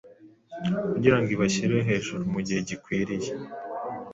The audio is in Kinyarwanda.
kugira ngo ibashyire hejuru mu gihe gikwiriye